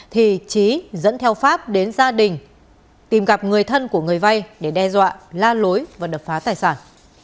thì trí dẫn theo pháp đến gia đình tìm gặp người thân của người vay để đe dọa la lối và đập phá tài sản